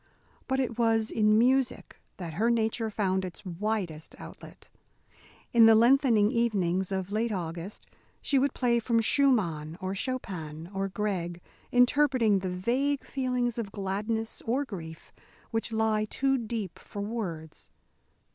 But it was in music that her nature found its widest outlet. In the lengthening evenings of late August she would play from Schumann, or Chopin, or Grieg, interpreting the vague feelings of gladness or grief which lie too deep for words.